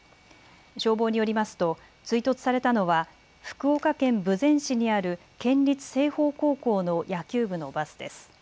消防によりますと追突されたのは福岡県豊前市にある県立青豊高校の野球部のバスです。